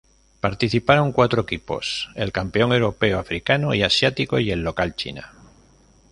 Participaron cuatro equipos, el campeón europeo, africano y asiático y el local China.